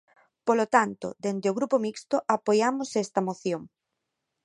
Polo tanto, dende o Grupo Mixto apoiamos esta moción.